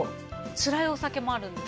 つらいお酒もあるんです。